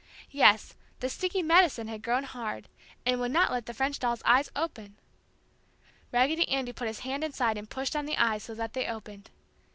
Yes, the sticky "medicine" had grown hard and would not let the French doll's eyes open. Raggedy Andy put his hand inside and pushed on the eyes so that they opened.